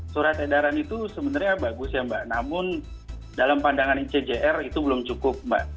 surat edaran itu sebenarnya bagus ya mbak namun dalam pandangan icjr itu belum cukup mbak